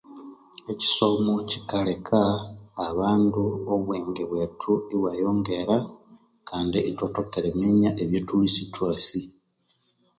Ekyisomo kyikaleka abandu obwengebwethu ibwayongera kandi ithwathoka eriminya ebya thulhwe isithwasi